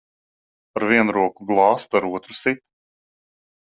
Ar vienu roku glāsta, ar otru sit.